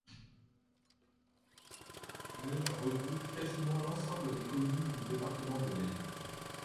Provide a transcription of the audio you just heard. L' regroupe quasiment l'ensemble des communes du département de l'Aisne.